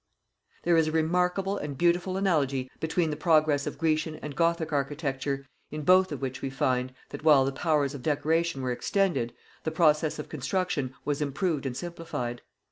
There is a remarkable and beautiful analogy between the progress of Grecian and Gothic architecture, in both of which we find, that while the powers of decoration were extended, the process of construction was improved and simplified.